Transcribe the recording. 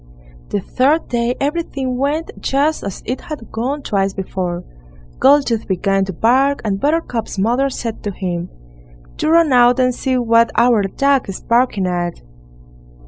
The third day everything went just as it had gone twice before; Goldtooth began to bark, and Buttercup's mother said to him: "Do run out and see what our dog is barking at."